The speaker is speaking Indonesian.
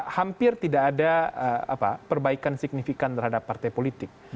hampir tidak ada perbaikan signifikan terhadap partai politik